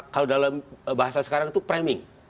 kalau dalam bahasa sekarang itu priming